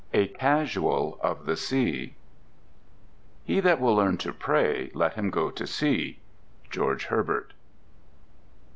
A CASUAL OF THE SEA He that will learn to pray, let him go to sea. —GEORGE HERBERT.